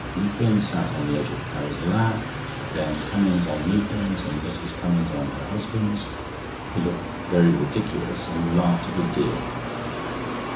Lupin sat on the edge of Carrie's lap, then Cummings on Lupin's, and Mrs. Cummings on her husband's. We looked very ridiculous, and laughed a good deal.